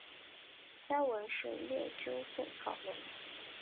家纹是六鸠酢草纹。